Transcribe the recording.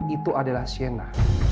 itu adalah sienna